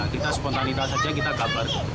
kita spontanita saja kita gambar